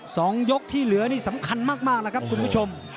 สองยกที่เหลือนี่สำคัญมากมากแล้วครับคุณผู้ชม